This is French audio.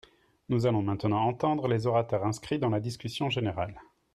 Nous allons maintenant entendre les orateurs inscrits dans la discussion générale.